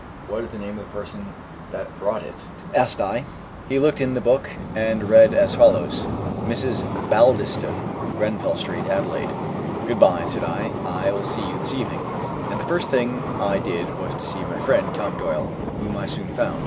"What is the name of the person that brought it?" asked I. He looked in the book, and read as follows: "Mrs. Baldiston, Grenfell street, Adelaide." "Good bye," said I; "I will see you this evening;" and the first thing I did was to see my friend, Tom Doyle, whom I soon found.